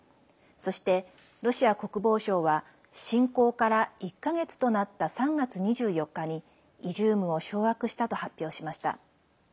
そして、ロシア国防省は侵攻から１か月となった３月２４日にイジュームを掌握したと発表しました。